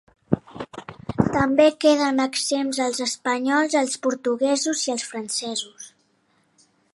També queden exempts els espanyols, els portuguesos i els francesos.